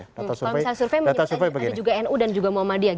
kalau misalnya survei ada juga nu dan juga muhammadiyah